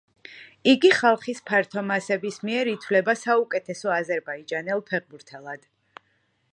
იგი ხალხის ფართო მასების მიერ ითვლება საუკეთესო აზერბაიჯანელ ფეხბურთელად.